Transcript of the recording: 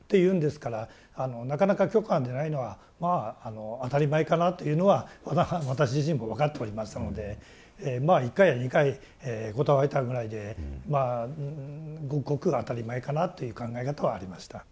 なかなか許可が出ないのはまあ当たり前かなというのは私自身も分かっておりましたので１回や２回断られたぐらいでまあごくごく当たり前かなという考え方はありました。